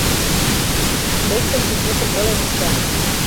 лектын шичметым веле вуча.